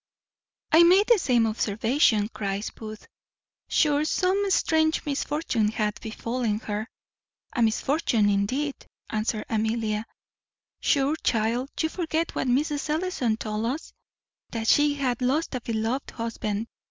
"I made the same observation," cries Booth: "sure some strange misfortune hath befallen her." "A misfortune, indeed!" answered Amelia; "sure, child, you forget what Mrs. Ellison told us, that she had lost a beloved husband.